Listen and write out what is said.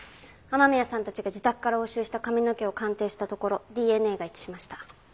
雨宮さんたちが自宅から押収した髪の毛を鑑定したところＤＮＡが一致しました。